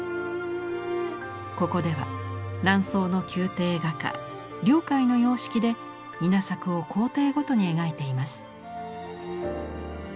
ここでは南宋の宮廷画家梁楷の様式で稲作を工程ごとに描いています。